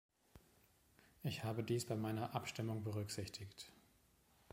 Ich habe dies bei meiner Abstimmung berücksichtigt.